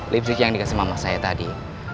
lipstick yang dikasih nama saya tadi